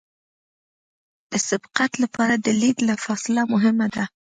د سبقت لپاره د لید فاصله مهمه ده